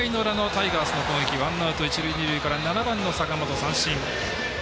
２回の裏のタイガースの攻撃ワンアウト、一塁二塁から７番の坂本、三振。